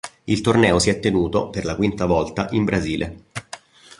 Il torneo si è tenuto, per la quinta volta, in Brasile.